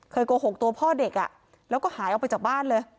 โกหกตัวพ่อเด็กแล้วก็หายออกไปจากบ้านเลย